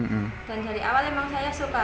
dari awal memang saya suka